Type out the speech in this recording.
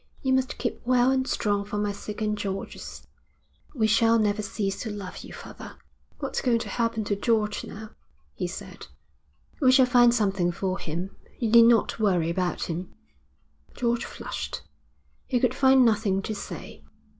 You must keep well and strong for my sake and George's. We shall never cease to love you, father.' 'What's going to happen to George now?' he asked. 'We shall find something for him. You need not worry about him.' George flushed. He could find nothing to say.